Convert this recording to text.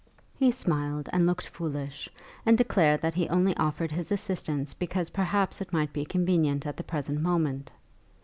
He smiled and looked foolish, and declared that he only offered his assistance because perhaps it might be convenient at the present moment.